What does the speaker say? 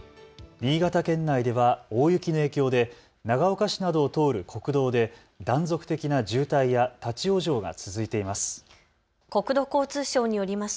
新潟県内では大雪の影響で長岡市などを通る国道で断続的な渋滞や立往生が続いています。